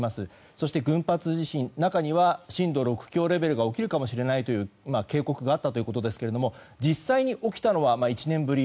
そして、群発地震中には震度６強レベルが起きるかもしれないという警告があったということですけど実際に起きたのは１年ぶり